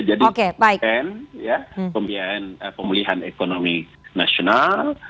jadi cnn pembiayaan pemulihan ekonomi nasional